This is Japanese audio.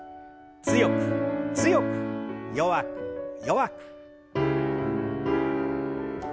強く強く弱く弱く。